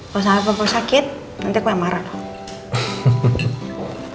kalo sampai papa sakit nanti aku yang marah